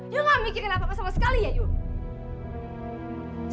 you gak mikirin apa apa sama sekali ya you